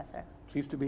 senang berada di sini